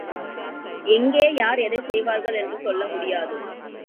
எங்கே யார் எதைச் செய்வார்கள் என்று சொல்ல முடியாது.